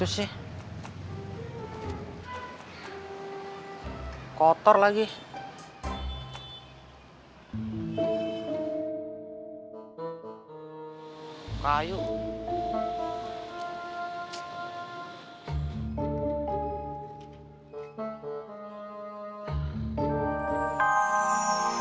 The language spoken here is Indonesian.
sopat b sepuluh